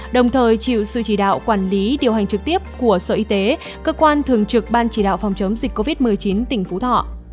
đồng thời chịu sự chỉ đạo quản lý điều hành trực tiếp của sở y tế cơ quan thường trực ban chỉ đạo phòng chống dịch covid một mươi chín tỉnh phú thọ